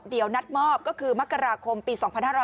เดี๋ยวนัดมอบก็คือมกราคมปี๒๕๕๙